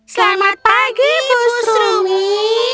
selamat pagi ibu serumis